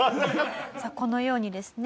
さあこのようにですね